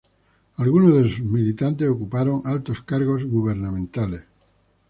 Algunos de sus militantes ocuparon altos cargos gubernamentales.